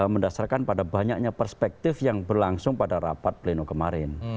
mendasarkan pada banyaknya perspektif yang berlangsung pada rapat pleno kemarin